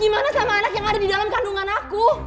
gimana sama anak yang ada di dalam kandungan aku